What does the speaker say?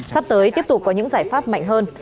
sắp tới tiếp tục có những giải pháp mạnh hơn